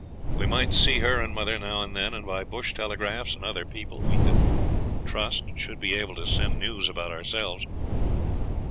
We might see her and mother now and then, and by bush telegraphs and other people we could trust should be able to send news about ourselves.